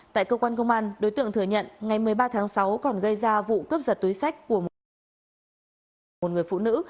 tại cơ quan công an đối tượng thừa nhận ngày một mươi ba tháng sáu còn gây ra vụ cướp giật túi sách của một người phụ nữ